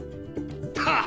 はっ！